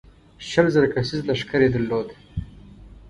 شل زره کسیز لښکر یې درلود.